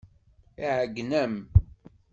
Iɛeyyen-am.